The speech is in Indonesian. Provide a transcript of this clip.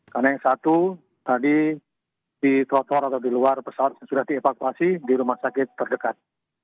karena yang satu tadi di kotor atau di luar pesawat sudah dievakuasi di rumah sakit terdekat